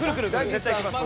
絶対きます